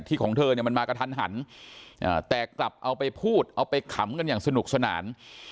ของเธอเนี่ยมันมากระทันหันแต่กลับเอาไปพูดเอาไปขำกันอย่างสนุกสนาน